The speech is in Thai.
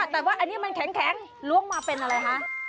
แต่ว่าอันนี้มันแข็งล้วงมาเป็นอะไรคะ